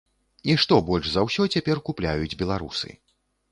І што больш за ўсё цяпер купляюць беларусы.